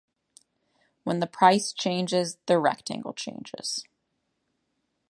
When the price changes the rectangle changes.